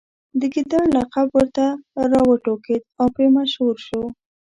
د ګیدړ لقب ورته راوټوکېد او پرې مشهور شو.